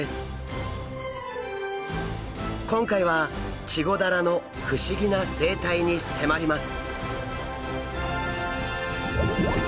今回はチゴダラの不思議な生態に迫ります！